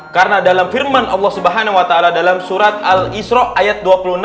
karena dalam firman allah swt dalam surat al isra ayat dua puluh enam